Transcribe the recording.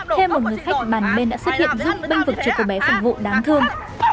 thêm một người khách bàn bên đã xuất hiện giúp binh vực cho cô bé phục vụ đáng thương